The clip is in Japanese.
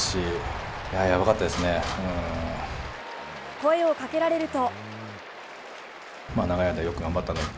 声をかけられると。